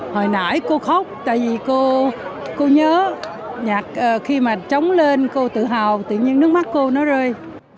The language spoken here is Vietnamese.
hồi nãy cô khóc tại vì cô nhớ nhạc khi mà trống lên cô tự hào tự nhiên nước mắt cô nó rơi